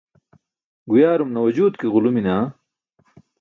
Guyaarum nawajut ke ġulumi naa?